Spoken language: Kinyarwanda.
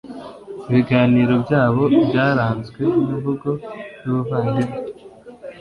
ibiganiro byabo byaranzwe n'imvugo y'ubuvandimwe,